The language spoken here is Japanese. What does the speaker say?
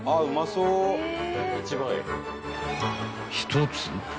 ［１つ］